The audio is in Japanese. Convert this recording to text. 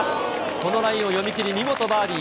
このラインを読み切り、見事バーディー。